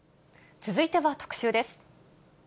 続いては特集です。